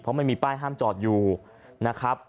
เพราะไม่มีป้ายห้ามจอดอยู่นะครับ